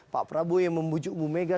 pak prabowo yang membujuk bu mega